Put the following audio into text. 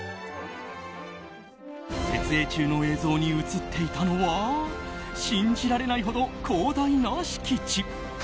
設営中の映像に映っていたのは信じられないほど広大な敷地。